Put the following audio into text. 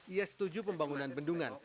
ia setuju pembangunan bendungan